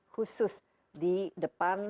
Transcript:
khusus di depan